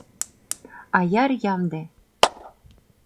Аяр ямде.